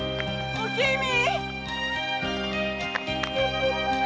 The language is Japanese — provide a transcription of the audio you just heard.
おきみ！